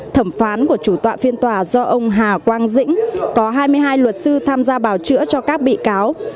thẩm phán của chủ tọa phiên tòa do ông hà quang dĩnh có hai mươi hai luật sư tham gia bào chữa cho các bị cáo